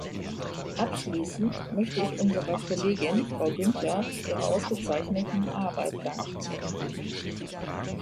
Abschließend möchte ich unserer Kollegin, Frau Günther, für ihre ausgezeichneten Arbeit danken.